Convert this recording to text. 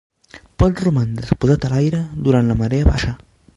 Pot romandre exposat a l'aire durant la marea baixa.